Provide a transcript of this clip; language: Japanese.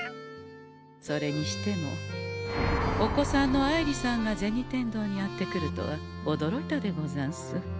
それにしてもお子さんの愛梨さんが銭天堂にやって来るとはおどろいたでござんす。